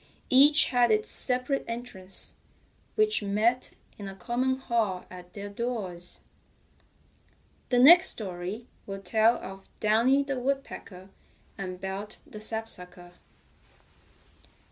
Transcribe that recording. Each had its separate entrance, which met in a common hall at their doors. The next story will tell of Downy the Woodpecker and Belt the Sapsucker.